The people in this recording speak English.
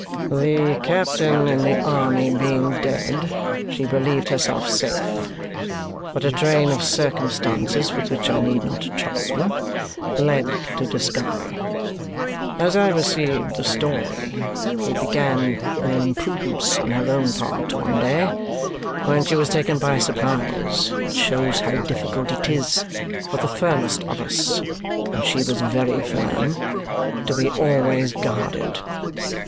"The captain in the army being dead, she believed herself safe; but a train of circumstances with which I need not trouble you led to discovery. As I received the story, they began in an imprudence on her own part one day when she was taken by surprise, which shows how difficult it is for the firmest of us (she was very firm) to be always guarded.